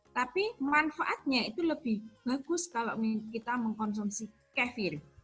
tapi manfaatnya itu lebih bagus kalau kita mengkonsumsi kefir